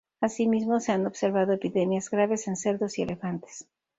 Asimismo, se han observado epidemias graves en cerdos y elefantes.